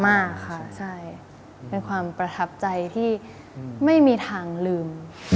มากค่ะใช่เป็นความประทับใจที่ไม่มีทางลืม